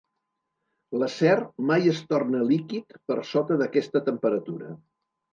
L'acer mai es torna líquid per sota d'aquesta temperatura.